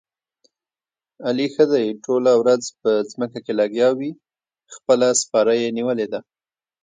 علي ښه دې ټوله ورځ په ځمکه کې لګیاوي، خپله سپاره یې نیولې ده.